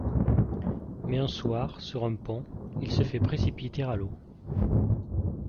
Mais un soir, sur un pont, il se fait précipiter à l'eau.